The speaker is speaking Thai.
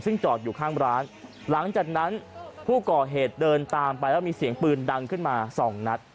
ซึ่งจอดอยู่ข้างร้านหลังจากนั้นผู้ก่อเหตุเดินตามไปแล้วมีเสียงปืนดังขึ้นมาสองนัด